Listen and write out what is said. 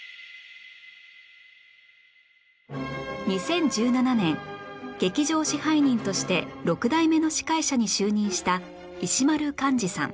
２０１７年劇場支配人として６代目の司会者に就任した石丸幹二さん